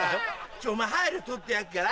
ちょいお前入れ撮ってやっから。